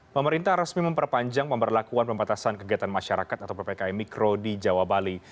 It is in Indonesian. pemerintah resmi memperpanjang pemberlakuan pembatasan kegiatan masyarakat atau ppkm mikro di jawa bali